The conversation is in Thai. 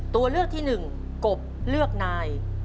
ตัวเลือกที่๑กบเลือกนาย